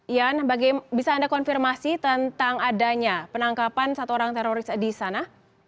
ian bisa anda konfirmasi tentang adanya penangkapan satu orang teroris di sana